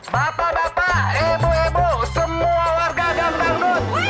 bapak bapak ibu ibu semua warga dan tanggut